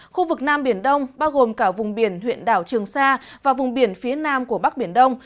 khu vực nam biển đông bao gồm cả vùng biển huyện đảo trường sa và vùng biển phía nam của bắc biển đông